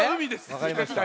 わかりました。